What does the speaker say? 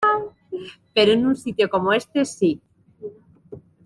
Pero en un sitio como este sí.